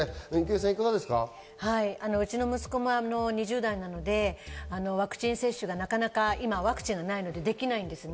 うちの息子も２０代なので、ワクチン接種がなかなかできないんですね。